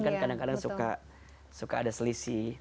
kan kadang kadang suka ada selisih